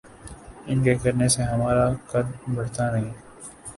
ان کے کرنے سے ہمارا قد بڑھتا نہیں۔